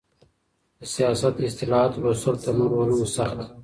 د سياست د اصطلاحاتو لوستل تر نورو علومو سخت دي.